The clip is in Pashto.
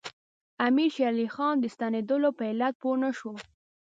امیر شېر علي خان د ستنېدلو په علت پوه نه شو.